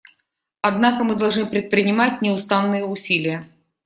Однако мы должны предпринимать неустанные усилия.